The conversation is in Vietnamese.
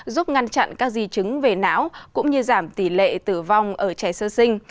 giúp ngăn chặn các di chứng về não cũng như giảm tỷ lệ tử vong ở trẻ sơ sinh